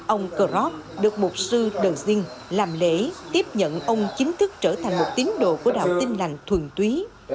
ông krop được một sư đời sinh làm lễ tiếp nhận ông chính thức trở thành một tín đồ của đạo tinh lành thuần túy